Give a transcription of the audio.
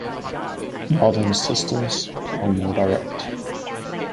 Modern systems are more direct.